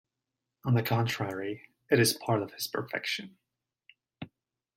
On the contrary, it is part of His perfection.